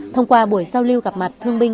thông qua buổi giao lưu gặp mặt thương binh